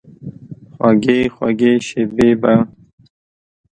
خوږې، خوږې شیبې به،